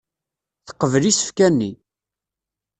Teqbel isefka-nni.